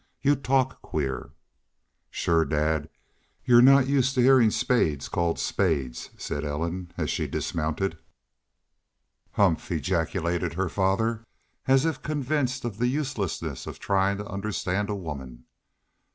"You talk queer." "Shore, dad, y'u're not used to hearing spades called spades," said Ellen, as she dismounted. "Humph!" ejaculated her father, as if convinced of the uselessness of trying to understand a woman.